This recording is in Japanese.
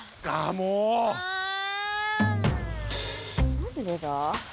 何でだ？